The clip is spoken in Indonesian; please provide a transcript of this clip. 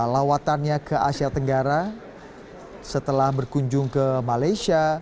lawatannya ke asia tenggara setelah berkunjung ke malaysia